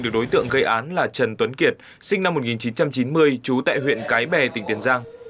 được đối tượng gây án là trần tuấn kiệt sinh năm một nghìn chín trăm chín mươi trú tại huyện cái bè tỉnh tiền giang